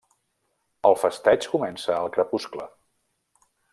El festeig comença al crepuscle.